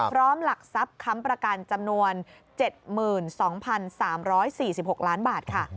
หลักทรัพย์ค้ำประกันจำนวน๗๒๓๔๖ล้านบาทค่ะ